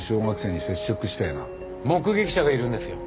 目撃者がいるんですよ。